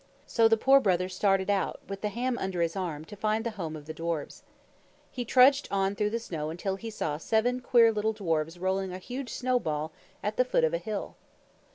So the Poor Brother started out, with the ham under his arm, to find the home of the dwarfs. He trudged on through the snow until he saw seven queer little dwarfs rolling a huge snowball, at the foot of a hill.